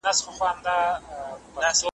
مشران د خلکو استازیتوب کوي.